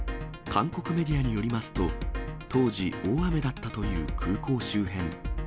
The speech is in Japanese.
韓国メディアによりますと、当時大雨だったという空港周辺。